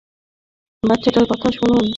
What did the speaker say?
বাচ্চাটার কথা শুনুন!